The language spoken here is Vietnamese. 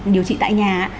điều trị tại nhà